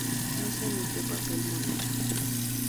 No se emitió papel moneda.